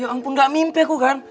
ampun gak mimpi aku kan